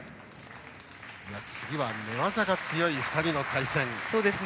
次は寝技が強い２人の対戦です。